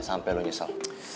sampai lo nyesel